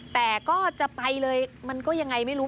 แต่ก็จะไปเลยมันก็ยังไงไม่รู้